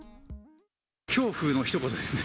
恐怖のひと言ですね。